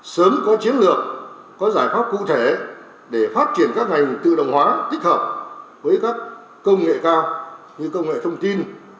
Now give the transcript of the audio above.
sớm có chiến lược có giải pháp cụ thể để phát triển các ngành tự động hóa tích hợp với các công nghệ cao như công nghệ thông tin